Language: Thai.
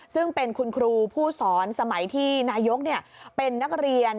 ซึ่งเป็นคุณครูผู้สอนสมัยที่นายกเป็นนักเรียน